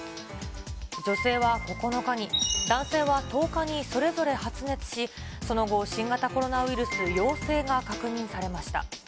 女性は９日に、男性は１０日にそれぞれ発熱し、その後、新型コロナウイルス陽性が確認されました。